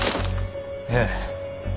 ええ。